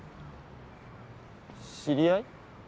知り合い？